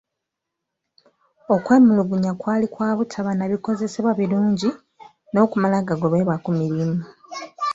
Okwemulugunya kwali kwa butaba na bikozesebwa birungi n'okumala gagobebwa ku mirimu.